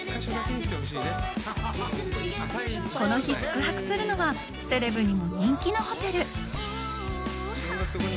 この日、宿泊するのは、セレブにも人気のホテル。